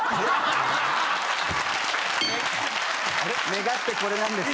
願ってこれなんですよ。